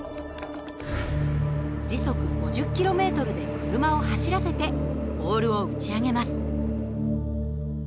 時速５０ｋｍで車を走らせてボールを打ち上げます。